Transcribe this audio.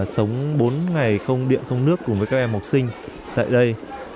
sống bốn ngày không điện không nước cùng với các em học sinh tại đây